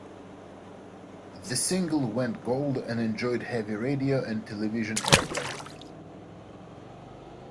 The single went Gold and enjoyed heavy radio and television airplay.